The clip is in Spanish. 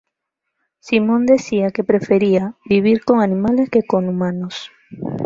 Simon decía que prefería "vivir con animales que con humanos".